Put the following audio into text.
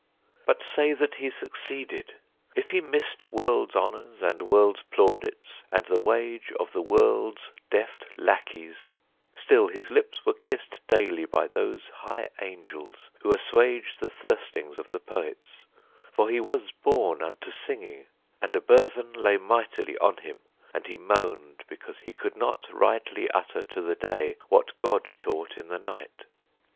But say that he succeeded. If he missed World's honors, and world's plaudits, and the wage Of the world's deft lacqueys, still his lips were kissed Daily by those high angels who assuage The thirstings of the poets for he was Born unto singing and a burthen lay Mightily on him, and he moaned because He could not rightly utter to the day What God taught in the night.